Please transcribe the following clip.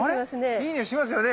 いいニオイしますよね。